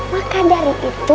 maka dari itu